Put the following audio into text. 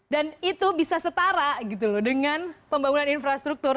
dan itu bisa setara gitu loh dengan pembangunan infrastruktur